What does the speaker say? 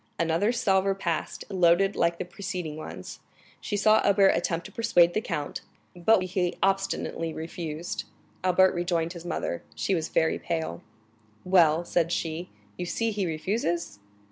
Another salver passed, loaded like the preceding ones; she saw Albert attempt to persuade the count, but he obstinately refused. Albert rejoined his mother; she was very pale. "Well," said she, "you see he refuses?"